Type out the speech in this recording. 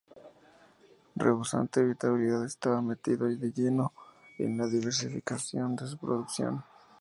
Rebosante de vitalidad, estaba metido de lleno en la diversificación de su producción.